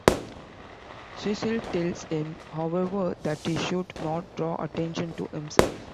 Cecil tells him, however, that he should not draw attention to himself.